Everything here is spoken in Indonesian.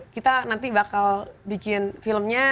kita nanti bakal bikin filmnya